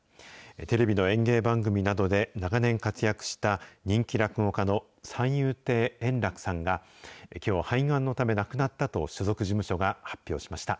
テレビの演芸番組などで長年活躍した人気落語家の三遊亭円楽さんが、きょう肺がんのため亡くなったと所属事務所が発表しました。